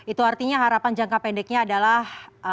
itu artinya harapan jangka pendeknya adalah